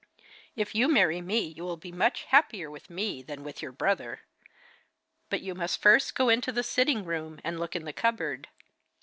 If you marry me you will be much happier with me than with your brother. But you must first go into the sitting room and look in the cupboard.